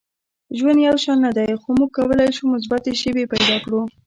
• ژوند یو شان نه دی، خو موږ کولی شو مثبتې شیبې پیدا کړو.